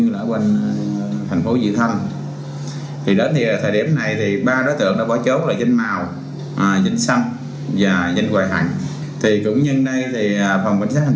điều tra viên gò khao lợi và điều đã thử nhận vào đêm ngày ba mươi một tháng một cả hai cùng với ba đối tượng khác là danh điều danh hoài hận và danh xanh cùng ngụ tại huyện gò khao hiện đang bỏ trốn rủ nhau đến nhà của bà bô để cướp tài sản